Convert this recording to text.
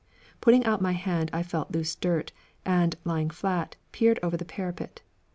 Putting out my hand, I felt loose dirt, and, lying flat, peered over the parapet.